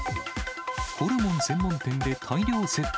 ホルモン専門店で大量窃盗。